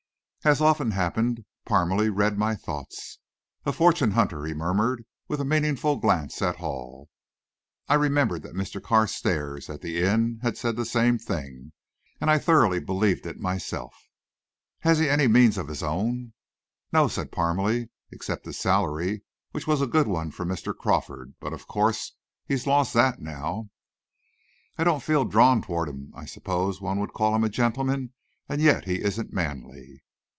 As often happened, Parmalee read my thoughts. "A fortune hunter," he murmured, with a meaning glance at Hall. I remembered that Mr. Carstairs, at the inn had said the same thing, and I thoroughly believed it myself. "Has he any means of his own?" "No," said Parmalee, "except his salary, which was a good one from Mr. Crawford, but of course he's lost that now." "I don't feel drawn toward him. I suppose one would call him a gentleman and yet he isn't manly."